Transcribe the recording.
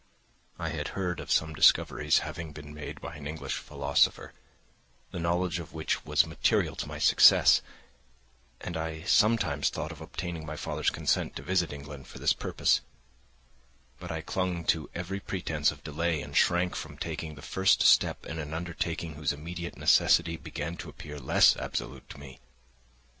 I had heard of some discoveries having been made by an English philosopher, the knowledge of which was material to my success, and I sometimes thought of obtaining my father's consent to visit England for this purpose; but I clung to every pretence of delay and shrank from taking the first step in an undertaking whose immediate necessity began to appear less absolute to me.